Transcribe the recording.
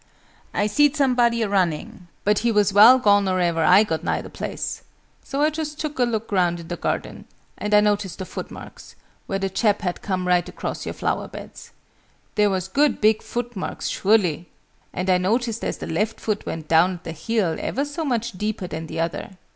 "I seed somebody a running, but he was well gone or ever I got nigh the place. So I just took a look round in the garden. And I noticed the foot marks, where the chap had come right across your flower beds. They was good big foot marks sure ly. And I noticed as the left foot went down at the heel, ever so much deeper than the other.